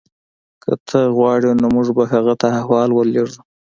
که ته غواړې نو موږ به هغې ته احوال ورلیږو